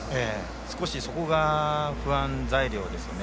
少しそこが不安材料ですね。